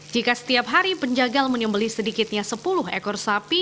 jika setiap hari penjagal menyembeli sedikitnya sepuluh ekor sapi